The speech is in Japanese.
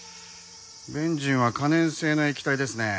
ベンジンは可燃性の液体ですね。